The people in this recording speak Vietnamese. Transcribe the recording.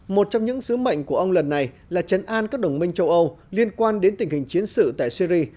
một trong những sứ mệnh của ông lần này là chấn an các đồng minh châu âu liên quan đến tình hình chiến sự tại syri